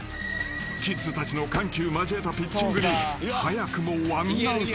［キッズたちの緩急交えたピッチングに早くもワンアウト］